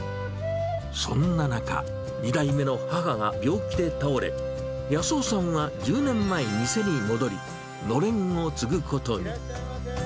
そんな中、２代目の母が病気で倒れ、康夫さんは１０年前、店に戻り、のれんを継ぐことに。